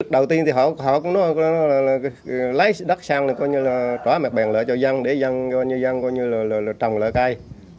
đầu tiên thì họ cũng nói là lấy đất sang để trói mặt bằng lợi cho dân để dân trồng lợi cây